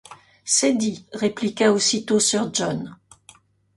C’est dit! répliqua aussitôt sir John.